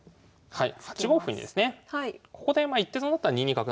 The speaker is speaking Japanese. はい。